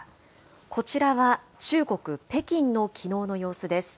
こちらは中国・北京のきのうの様子です。